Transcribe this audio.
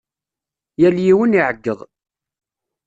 Yal yiwen iɛeggeḍ.